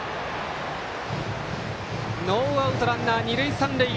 ノーアウトランナー、二塁三塁。